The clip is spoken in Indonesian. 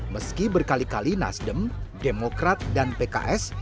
meski berkali kali nasdem demokrat dan pks